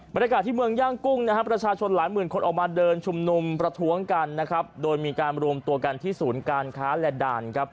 บรรยากาศที่เมืองย่างกุ้งนะครับประชาชนหลายหมื่นคนออกมาเดินชุมนุมประท้วงกันนะครับโดยมีการรวมตัวกันที่ศูนย์การค้าและด่านครับ